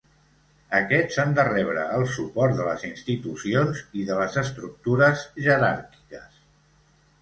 Aquests han de rebre el suport de les institucions i de les estructures jeràrquiques.